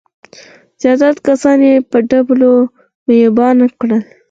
زيات کسان يې په ډبولو معيوبان کړل.